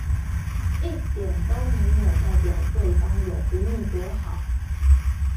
一點都沒有代表對方有比你多好